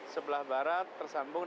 sebelah barat tersambung